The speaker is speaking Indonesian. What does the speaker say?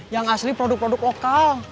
yang asli produk produk lokal